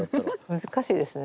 難しいですね。